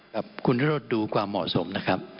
ครับคุณธโรธดูความเหมาะสมนะครับ